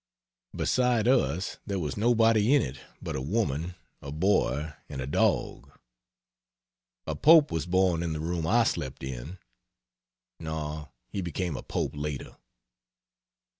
Beside us there was nobody in it but a woman, a boy and a dog. A Pope was born in the room I slept in. No, he became a Pope later.